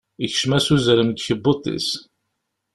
Ikcem-as uzrem deg ukebbuḍ-is.